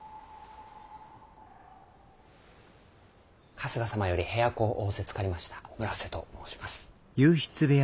春日様より部屋子を仰せつかりました村瀬と申します。